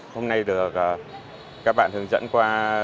hôm nay được các bạn hướng dẫn qua